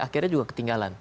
akhirnya juga ketinggalan